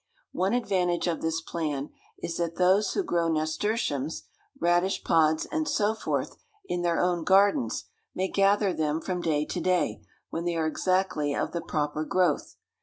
One advantage of this plan is that those who grow nasturtiums, radish pods, and so forth, in their own gardens, may gather them from day to day, when they are exactly of the proper growth.